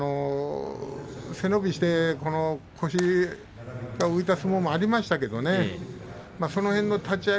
背伸びをして腰が浮いた相撲もありましたけれどその辺りの立ち合い